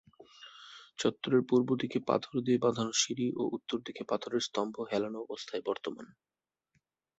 চত্বরের পূর্ব দিকে পাথর দিয়ে বাঁধানো সিঁড়ি ও উত্তরদিকে পাথরের স্তম্ভ হেলানো অবস্থায় বর্তমান।